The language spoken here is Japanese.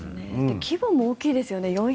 規模も大きいですよね。